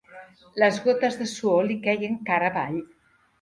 Les gotes de suor li queien cara avall.